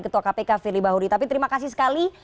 ketua kpk firly bahuri tapi terima kasih sekali